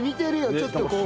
ちょっとこう。